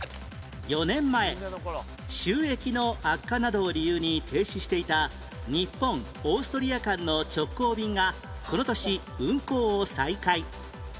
４年前収益の悪化などを理由に停止していた日本オーストリア間の直行便がこの年運航を再開